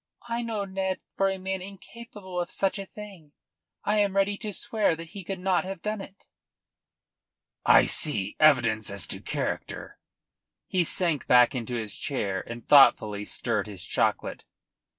"I know Ned for a man incapable of such a thing. I am ready to swear that he could not have done it." "I see: evidence as to character." He sank back into his chair and thoughtfully stirred his chocolate.